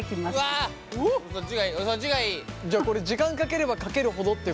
じゃあこれ時間かければかけるほどっていうことなんですか？